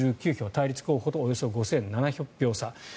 対立候補とおよそ５７００票差。